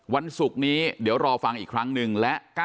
วันศุกร์นี้เดี๋ยวรอฟังอีกครั้งหนึ่งและ๙๙